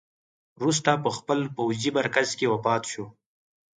وروسته په خپل پوځي مرکز کې وفات شو.